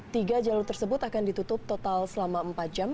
tiga jalur tersebut akan ditutup total selama empat jam